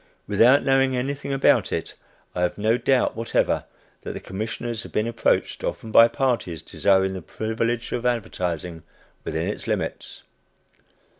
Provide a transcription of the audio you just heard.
Without knowing anything about it, I have no doubt whatever that the commissioners have been approached often by parties desiring the privilege of advertising within its limits.